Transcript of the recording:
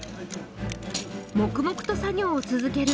黙々と作業を続ける